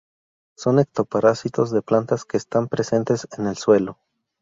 Son ectoparásitos de plantas que están presentes en el suelo.